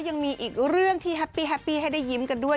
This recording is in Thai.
ยังมีอีกเรื่องที่แฮปปี้แฮปปี้ให้ได้ยิ้มกันด้วย